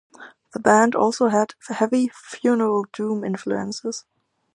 The band also had heavy funeral doom influences.